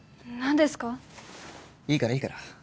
いいから、いいから。